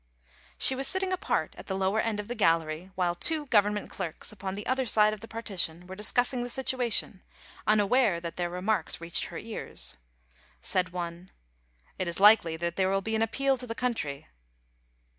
She was sitting apart at the lower end of the gallery, while two Government clerks, upon the other side of the partition, were discussing the situation, unaware that their remarks reached her ears. Said one :* It is likely that there will be an appeal to the country.